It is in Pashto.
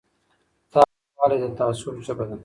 تاوتریخوالی د تعصب ژبه ده